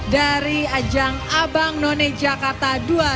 dari ajang abang none jakarta dua ribu dua puluh